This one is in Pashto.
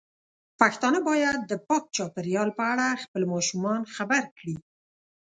پښتانه بايد د پاک چاپیریال په اړه خپل ماشومان خبر کړي.